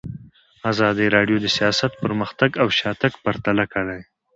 ازادي راډیو د سیاست پرمختګ او شاتګ پرتله کړی.